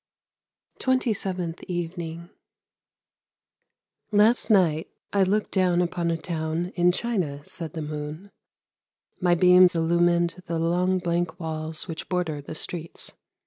TWENTY SEVENTH EVENING " Last night I looked down upon a town in China," said the moon; "my beams illumined the long blank walls which border the streets.